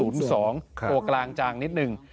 โปร่งกลางจางนิดนึง